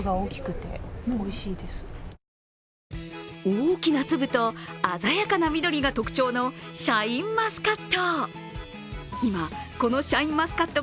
大きな粒と鮮やかな緑が特徴のシャインマスカット。